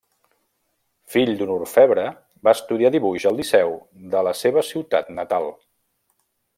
Fill d'un orfebre, va estudiar dibuix al liceu de la seva ciutat natal.